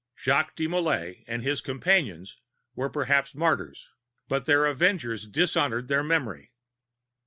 Jacques de Molai and his companions were perhaps martyrs, but their avengers dishonored their memory.